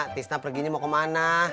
tisna perginya mau ke mana